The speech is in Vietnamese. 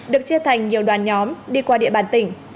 được chia thành nhiều đoàn nhóm đi qua địa bàn tỉnh